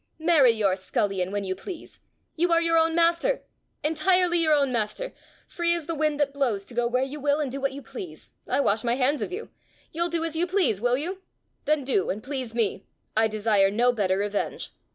Marry your scullion when you please! You are your own master entirely your own master! free as the wind that blows to go where you will and do what you please! I wash my hands of you. You'll do as you please will you? Then do, and please me: I desire no better revenge!